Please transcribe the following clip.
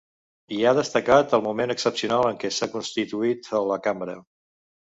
I ha destacat el moment excepcional en què s’ha constituït la cambra.